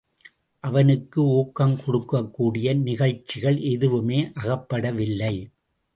அவனுக்கு ஊக்கம் கொடுக்கக்கூடிய நிகழ்ச்சிகள் எதுவுமே அகப்படவில்லை.